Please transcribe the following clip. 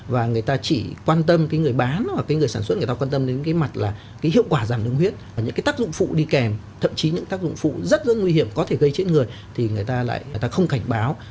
và người ta chỉ quan tâm cái người bán hoặc cái người sản xuất người ta quan tâm đến cái mặt là cái hiệu quả giảm đường huyết và những cái tác dụng phụ đi kèm thậm chí những tác dụng phụ rất nguy hiểm có thể gây chết người thì người ta lại người ta không cảnh báo